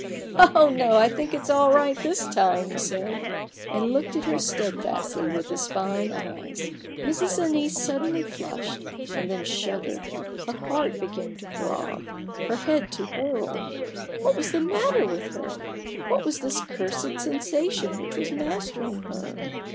(< Oh no, I think it's all right this time !" he said, and looked at her steadfastly with his fine eyes. Mrs. Annice suddenly flushed, and then shuddered. Her heart began to throb, her 32 A BOOK OF BARGAINS. head to whirl. What was the matter with her ? What was this cursed sensation which was mastering her